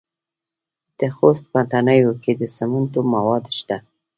د خوست په تڼیو کې د سمنټو مواد شته.